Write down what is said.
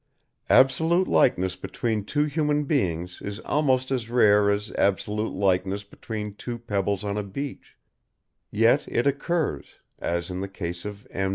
Absolute likeness between two human beings is almost as rare as absolute likeness between two pebbles on a beach, yet it occurs, as in the case of M.